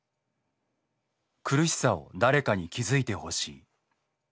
「苦しさを誰かに気づいて欲しい。